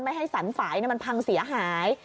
ให้สันฝ่ายมันพังเสียหาย